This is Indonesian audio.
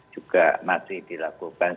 juga masih dilakukan